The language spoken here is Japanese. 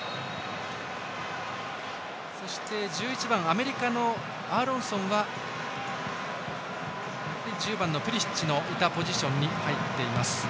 そして、１１番アメリカのアーロンソンは１０番のプリシッチのいたポジションに入っています。